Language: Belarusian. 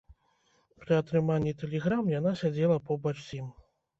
Пры атрыманні тэлеграм яна сядзела побач з ім.